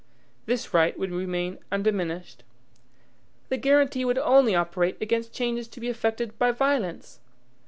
This right would remain undiminished. The guaranty could only operate against changes to be effected by violence.